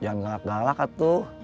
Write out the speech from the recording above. jangan galak galak itu